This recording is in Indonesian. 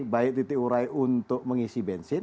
baik titik urai untuk mengisi bensin